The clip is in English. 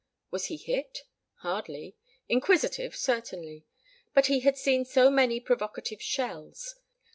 Was he hit? Hardly. Inquisitive, certainly. But he had seen so many provocative shells.